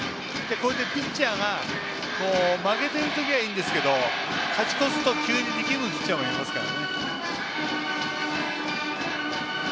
これでピッチャーが負けている時はいいんですけど勝ち越していると急にできるピッチャーもいますから。